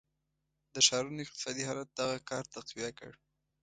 د ښارونو اقتصادي حالت دغه کار تقویه کړ.